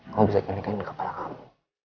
kamu bisa kembalikan kepala kamu